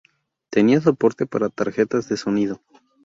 Tenía soporte para tarjetas de sonido.